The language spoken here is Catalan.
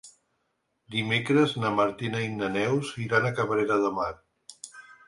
Dimecres na Martina i na Neus iran a Cabrera de Mar.